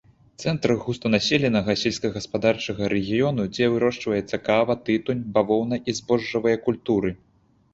Цэнтр густанаселенага сельскагаспадарчага рэгіёну, дзе вырошчваецца кава, тытунь, бавоўна і збожжавыя культуры.